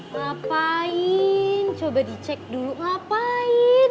ngapain coba dicek dulu ngapain